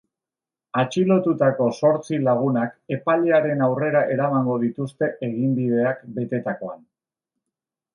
Atxilotutako zortzi lagunak epailearen aurrera eramango dituzte eginbideak betetakoan.